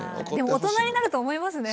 大人になると思いますね。